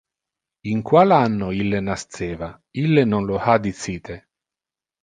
In qual anno ille nasceva, ille non lo ha dicite.